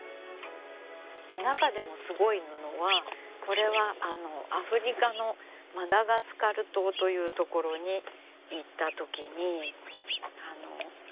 中でもすごい布はこれはアフリカのマダガスカル島という所に行ったときに。